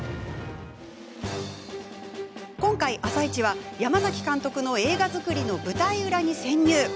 今回、「あさイチ」は山崎監督の映画作りの舞台裏に潜入。